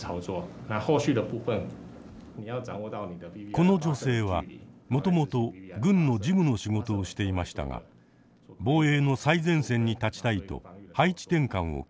この女性はもともと軍の事務の仕事をしていましたが防衛の最前線に立ちたいと配置転換を希望。